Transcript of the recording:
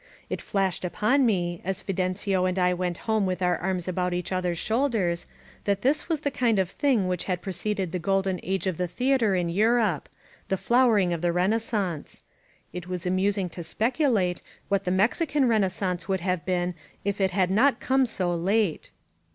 It flashed upon me, as Fidencio and I went home with our arms about each others' shoulders, that this was the kind of thing which had preceded the Grolden Age of the Theater in Europe — ^the flowering of the Renaissance. It was amusing to speculate what the Mexican Renaissance would have been if it had not come so late.